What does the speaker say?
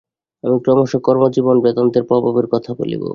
আমি ক্রমশ কর্মজীবনে বেদান্তের প্রভাবের কথা বলিব।